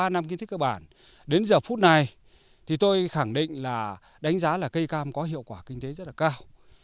năm kinh tế cơ bản đến giờ phút này tôi khẳng định là đánh giá là cây cam có hiệu quả kinh tế rất là cao